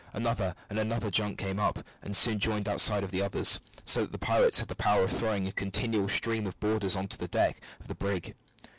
Another and another junk came up, and soon joined outside of the others, so that the pirates had the power of throwing a continual stream of boarders on to the deck of the brig.